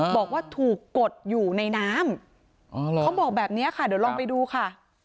บอกว่าถูกกดอยู่ในน้ำเขาบอกแบบนี้ค่ะเดี๋ยวลองไปดูค่ะ